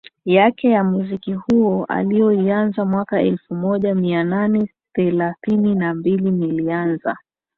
yake ya Muziki huo aliyoianza mwaka elfu moja mia nane thelathini na mbili Nilianza